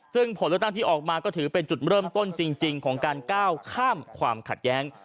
ซึ่งผลเลือกตั้งที่ออกมาก็ถือเป็นจุดเริ่มต้นจริงของการก้าวข้ามความขัดแย้ง